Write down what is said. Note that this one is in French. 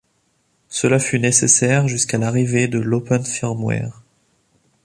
Cela fut nécessaire jusqu'à l'arrivée de l'Open Firmware.